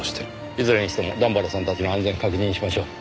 いずれにしても段原さんたちの安全を確認しましょう。